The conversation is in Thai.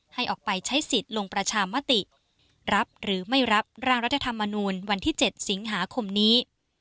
ให้ออกไปใช้สิทธิ์ลงประชามติรับหรือไม่รับร่างรัฐธรรมนูลวันที่๗สิงหาคมนี้